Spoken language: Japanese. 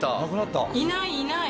いないいない。